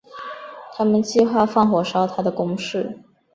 他们计划放火烧他的宫室。